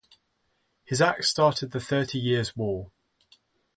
His acts started the Thirty Years' War.